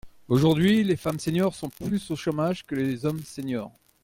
Aujourd’hui, les femmes seniors sont plus au chômage que les hommes seniors.